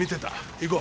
行こう。